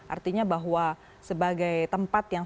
artinya bahwa sebagai tempat yang